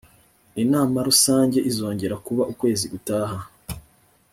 inama rusange izongera kuba ukwezi gutaha